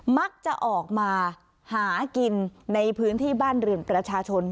มักจะออกมาหากินในพื้นที่บ้านเรือนประชาชน